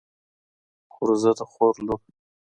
خورزه د خور لور